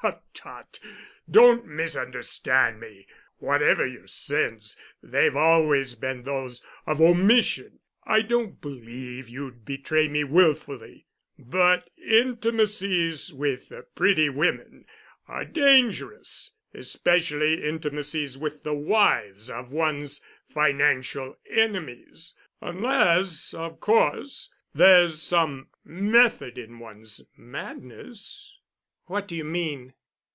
"Tut! tut! Don't misunderstand me. Whatever your sins, they've always been those of omission. I don't believe you'd betray me wilfully. But intimacies with pretty women are dangerous, especially intimacies with the wives of one's financial enemies; unless, of course, there's some method in one's madness." "What do you mean?"